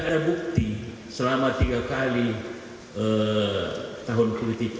ada bukti selama tiga kali tahun politik